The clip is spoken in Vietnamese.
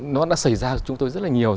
nó đã xảy ra cho chúng tôi rất là nhiều lần